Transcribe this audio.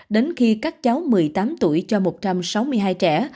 đến khi các cháu một mươi tám tuổi cho một trăm sáu mươi hai trẻ